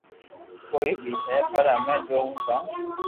ڪوئي ھي پر ھمي جو ھون ڪو ڪاو